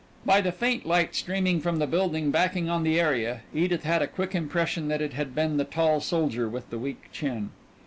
By the faint light streaming from the building backing on the area Edith had a quick impression that it had been the tall soldier with the weak chin.